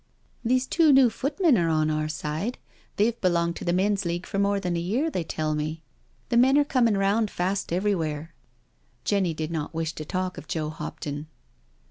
" These two new footmen are on our side — they've belonged to the Men's League for more than a year, they tell me. The men are coming round fast every where." Jenny did not wish to talk of Joe Hopton.